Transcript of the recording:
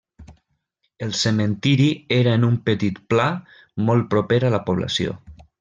El cementiri era en un petit pla molt proper a la població.